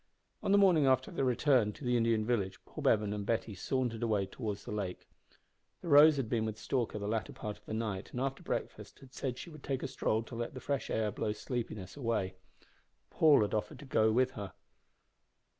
On the morning after their return to the Indian village, Paul Bevan and Betty sauntered away towards the lake. The Rose had been with Stalker the latter part of the night, and after breakfast had said she would take a stroll to let the fresh air blow sleepiness away. Paul had offered to go with her.